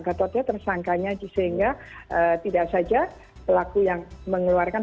gatotnya tersangkanya sehingga tidak saja pelaku yang mengeluarkan